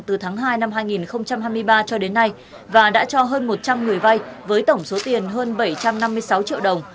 từ tháng hai năm hai nghìn hai mươi ba cho đến nay và đã cho hơn một trăm linh người vay với tổng số tiền hơn bảy trăm năm mươi sáu triệu đồng